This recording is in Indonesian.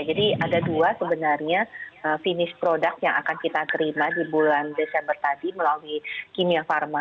jadi ada dua sebenarnya finish product yang akan kita terima di bulan desember tadi melalui kimia pharma